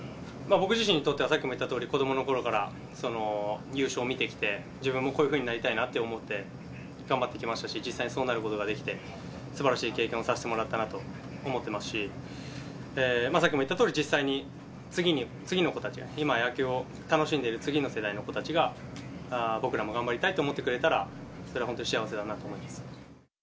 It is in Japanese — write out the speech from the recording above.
僕自身にとっては、さっきも言ったとおり、子どものころから優勝を見てきて、自分もこういうふうになりたいなって思って頑張ってきましたし、実際にそうなることができて、すばらしい経験をさせてもらったなと思ってますし、さっきも言ったとおり、実際に、次の子たちに、今、野球を楽しんでる次の世代の子たちが、僕らも頑張りたいと思ってくれたら、それは本当に幸せだなと思います。